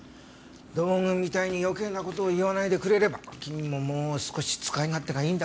道具みたいに余計な事を言わないでくれれば君ももう少し使い勝手がいいんだけどね。